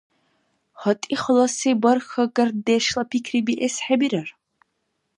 ГьатӀи халаси бархьагардешла пикри биэс хӀебирар.